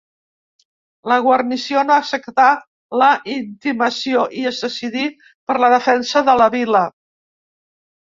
La guarnició no acceptà la intimació i es decidí per la defensa de la vila.